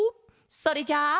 それじゃあ。